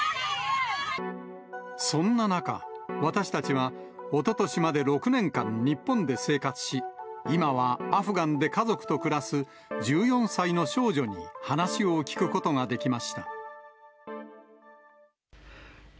そんな中、私たちは、おととしまで６年間、日本で生活し、今はアフガンで家族と暮らす１４歳の少女に話を聞くことができま